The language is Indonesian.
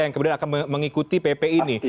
yang kemudian akan mengikuti pp ini